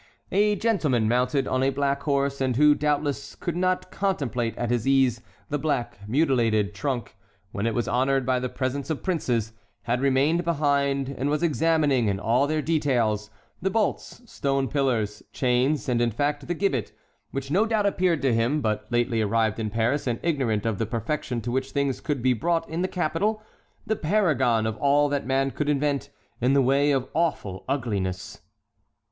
A gentleman mounted on a black horse, and who, doubtless, could not contemplate at his ease the black mutilated trunk when it was honored by the presence of princes, had remained behind, and was examining, in all their details, the bolts, stone pillars, chains, and in fact the gibbet, which no doubt appeared to him (but lately arrived in Paris, and ignorant of the perfection to which things could be brought in the capital) the paragon of all that man could invent in the way of awful ugliness.